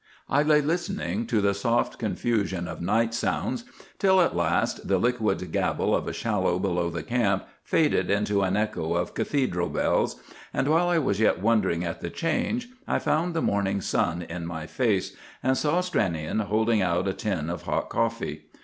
I lay listening to the soft confusion of night sounds, till at last the liquid gabble of a shallow below the camp faded into an echo of cathedral bells; and while I was yet wondering at the change, I found the morning sun in my face, and saw Stranion holding out a tin of hot coffee.